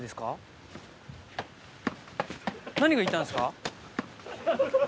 何がいたんですか？